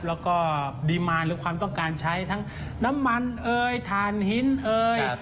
แล้วก็ความต้องการใช้ทั้งน้ำมันเอยถ่านหินเอย